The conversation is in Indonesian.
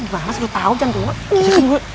gimana sih lu tau jantungan